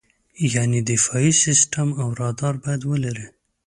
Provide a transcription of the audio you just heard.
یعنې دفاعي سیستم او رادار باید ولرې.